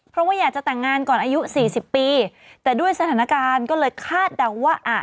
เพราะว่าอยากจะแต่งงานก่อนอายุสี่สิบปีแต่ด้วยสถานการณ์ก็เลยคาดเดาว่าอ่ะ